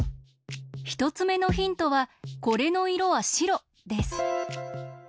ひとつめのヒントはこれのいろはしろです。